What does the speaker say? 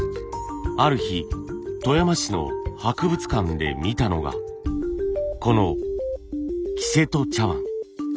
ある日富山市の博物館で見たのがこの黄瀬戸茶碗。